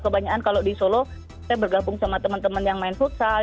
kebanyakan kalau di solo saya bergabung sama teman teman yang main futsal